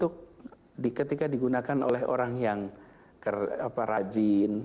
untuk ketika digunakan oleh orang yang rajin